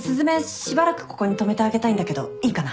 しばらくここに泊めてあげたいんだけどいいかな？